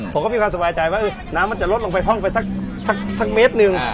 ผมก็มีความสบายใจว่าน้ำมันจะลดลงไปห้องไปสักเมตรหนึ่ง